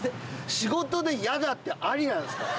仕事でやだってありなんすか？